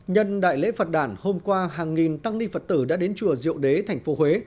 nhân đại lễ phật đàn hôm qua hàng nghìn tăng ni phật tử đã đến chùa diệu đế tp huế